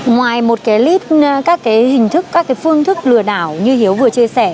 ngoài một cái list các cái hình thức các cái phương thức lừa đảo như hiếu vừa chia sẻ